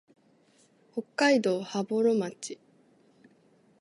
北海道羽幌町